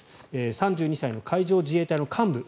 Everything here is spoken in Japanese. ３２歳の海上自衛隊の幹部